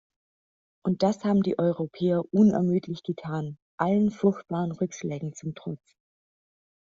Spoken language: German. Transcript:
Und das haben die Europäer unermüdlich getan, allen furchtbaren Rückschlägen zum Trotz.